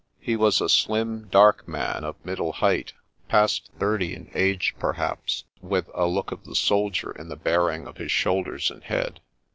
He was a slim, dark man of middle height, past thirty in age, perhaps, with a look of the soldier in the bearing of his shoulders and head.